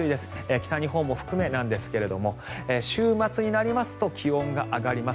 北日本も含めてなんですが週末になりますと気温が上がります。